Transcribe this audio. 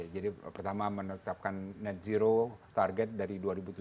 jadi pertama menetapkan net zero target dari dua ribu tujuh puluh